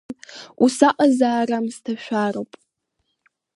Ус аҟазаара аамысҭашәароуп!